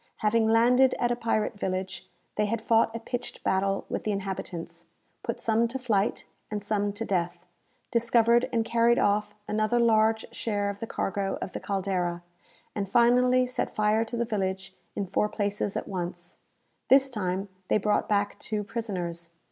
Having landed at a pirate village, they had fought a pitched battle with the inhabitants; put some to flight, and some to death; discovered and carried off another large share of the cargo of the "Caldera;" and finally set fire to the village in four places at once. This time they brought back two prisoners.